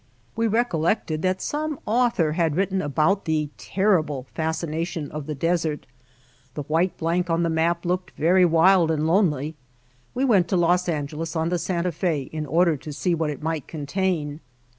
We recol lected that some author had written about the "terrible fascination" of the desert. The white blank on the map looked very wild and lonely. We went to Los Angeles on the Santa Fe in order to see what it might contain.